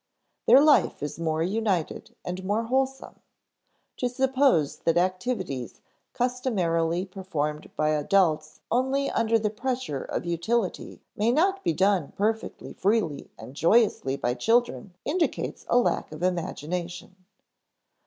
Their life is more united and more wholesome. To suppose that activities customarily performed by adults only under the pressure of utility may not be done perfectly freely and joyously by children indicates a lack of imagination.